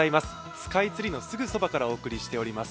スカイツリーのすぐそばからお送りしております。